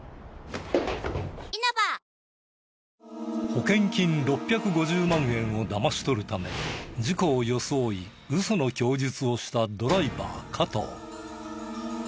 保険金６５０万円を騙し取るため事故を装いウソの供述をしたドライバー加藤。